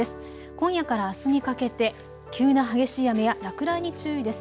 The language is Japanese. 今夜からあすにかけて急な激しい雨や落雷に注意です。